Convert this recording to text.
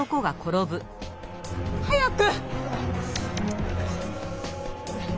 早く！